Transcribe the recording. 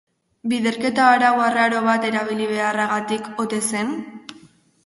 Biderketa-arau arraro bat erabili beharragatik ote zen?